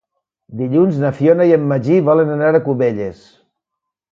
Dilluns na Fiona i en Magí volen anar a Cubelles.